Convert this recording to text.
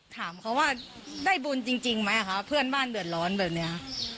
ถามเขาว่าได้บุญจริงไหมคะเพื่อนบ้านเดือดร้อนแบบนี้